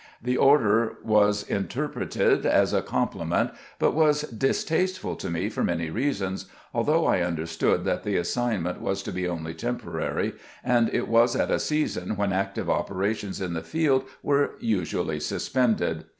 The order was interpreted as a compliment, but was distasteftd to me for many reasons, although I understood that the assignment was to be only temporary, and it was at a season when active operations in the field were usually suspended.